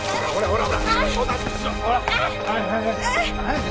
ほら。